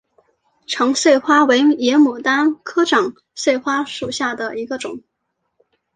长穗花为野牡丹科长穗花属下的一个种。